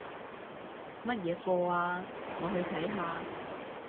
乜嘢課吖？我去睇下